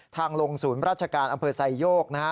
ทางโรงศูนย์ราชการอำเภอไซโยก